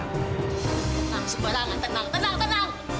tenang sebarang tenang tenang tenang